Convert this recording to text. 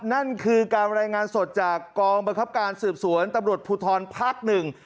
นั่นคือการรายงานสดจากกองบังคับการสืบสวนตำรวจภูทรภาคหนึ่ง